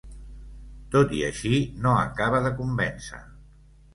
Tot i així, no acaba de convèncer.